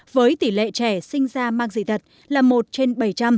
với tỷ lệ trẻ sinh ra mang dị tật là một trên bảy trăm linh